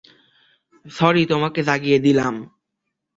Sorry, তোমাকে জাগিয়ে দিলাম।